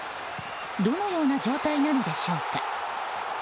どのような状態なのでしょうか。